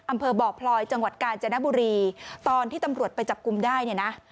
อำเภอบ่อพลอยจังหวัดกาญจนบุรีตอนที่ตำรวจไปจับกลุ่มได้เนี่ยนะ